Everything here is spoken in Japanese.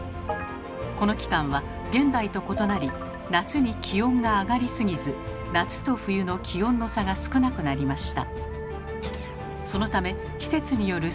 この期間は現代と異なり夏に気温が上がりすぎず夏と冬の気温の差が少なくなりました。